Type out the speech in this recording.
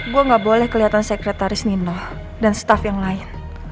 gue gak boleh kelihatan sekretaris nino dan staff yang lain